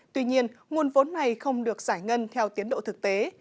tuy nhiên nguồn vốn này không được giải ngân theo tiến độ thực tế